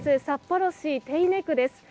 札幌市手稲区です。